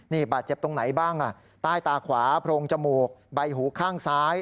นี่บาดเจ็บตรงไหนบ้างใต้ตาขวาโพรงจมูกใบหูข้างซ้าย